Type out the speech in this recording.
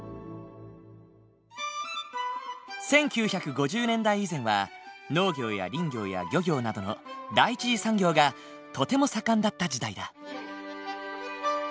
１９５０年代以前は農業や林業や漁業などの第一次産業がとても盛んだった時代だ。